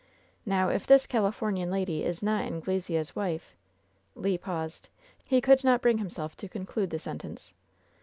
Now if this Califomian lady is not Anglesea's wife *' Le paused. He could not bring himself to conclude the sentence.